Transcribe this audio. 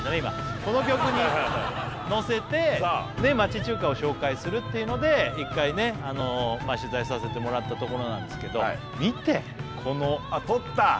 今この曲に乗せて町中華を紹介するっていうので１回ね取材させてもらったところなんですけど見てこのこのさ撮った？